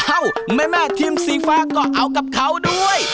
แม่ทีมสีฟ้าก็เอากับเขาด้วย